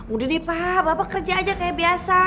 udah nih pak bapak kerja aja kayak biasa